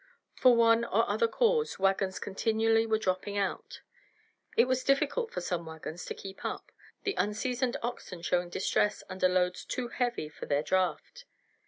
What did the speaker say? For one or other cause, wagons continually were dropping out. It was difficult for some wagons to keep up, the unseasoned oxen showing distress under loads too heavy for their draft.